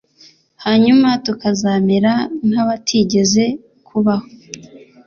hanyuma tukazamera nk'abatigeze kubaho